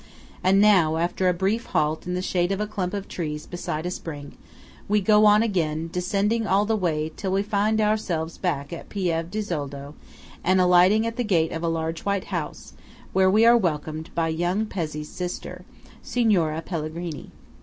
And now, after a brief halt in the shade of a clump of trees beside a spring, we go on again, descending all the way, till we find ourselves back at Pieve di Zoldo and alighting at the gate of a large white house, where we are welcomed by young Pezzé's sister, Signora Pellegrini.